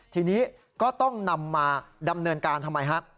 ทีนี้ก็ต้องนำมาดำเนินการทำไมฮะ